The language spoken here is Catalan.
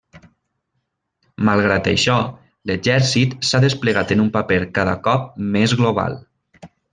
Malgrat això, l'Exèrcit s'ha desplegat en un paper cada cop més global.